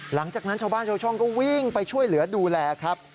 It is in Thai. หลังจากนั้นชาวบ้านชาวช่องก็วิ่งไปช่วยเหลือดูแลครับ